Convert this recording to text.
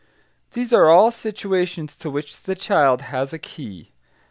These are all situations to which the child has a key.